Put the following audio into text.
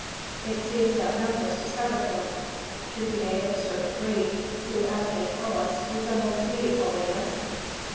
It seems that Mefres discovered him through the aid of a certain Greek, who, as they tell us, resembles thee, holiness."